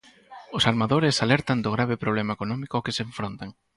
Os armadores alertan do grave problema económico ao que se enfrontan.